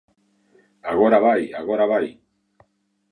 Agora vai, agora vai.